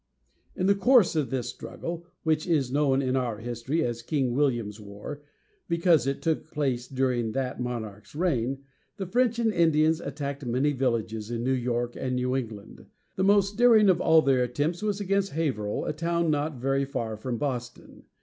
In the course of this struggle, which is known in our history as "King William's War," because it took place during that monarch's reign, the French and Indians attacked many villages in New York and New England. The most daring of all their attempts was against Hā´ver hill, a town not very far from Boston.